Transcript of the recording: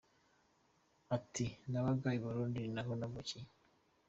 Ati “Nabaga i Burundi ni naho navukiye.